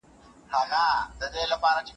د بشري ځواک بشپړه کارونه اړینه ده.